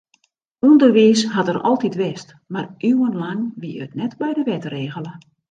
Underwiis hat der altyd west, mar iuwenlang wie it net by de wet regele.